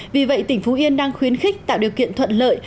vì vậy tỉnh phú yên đang khuyến khích tạo điều kiện thuận lợi